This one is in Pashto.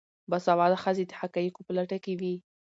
باسواده ښځې د حقایقو په لټه کې وي.